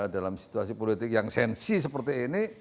dalam situasi politik yang sensi seperti ini